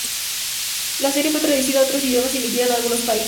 La serie fue traducida a otros idiomas y emitida en algunos países.